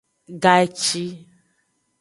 Gaci.